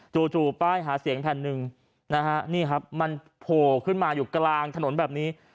จู่ป้ายหาเสียงแผ่นหนึ่งนะฮะนี่ครับมันโผล่ขึ้นมาอยู่กลางถนนแบบนี้